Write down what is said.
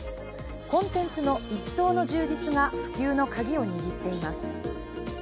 コンテンツの一層の充実が普及のカギを握っています。